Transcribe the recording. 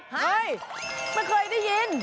เมื่อเคยได้ยิน